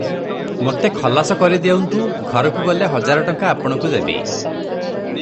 ମୋତେ ଖଲାସ କରିଦେଉନ୍ତୁ, ଘରକୁ ଗଲେ ହଜାର ଟଙ୍କା ଆପଣଙ୍କୁ ଦେବି ।"